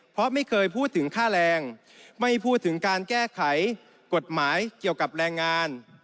เพราะไม่เคยพูดถึงค่าแรงไม่พูดถึงการแก้ไขกฎหมายเกี่ยวกับแรงงาน